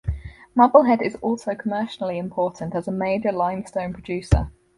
Marblehead is also commercially important as a major limestone producer.